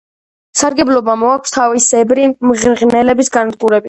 სარგებლობა მოაქვს თაგვისებრი მღრღნელების განადგურებით.